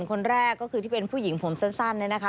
คนแรกก็คือที่เป็นผู้หญิงผมสั้นเนี่ยนะคะ